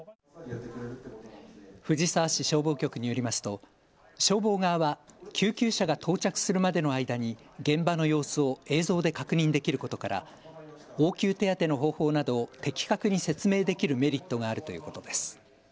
藤沢市消防局によりますと消防側は救急車が到着するまでの間に現場の様子を映像で確認できることから応急手当ての方法などを的確に説明できるメリットがあるということです。